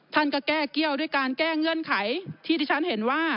ท่านก็แก้เกี้ยวด้วยการแก้เงื่อนไขที่ที่ฉันเห็นว่า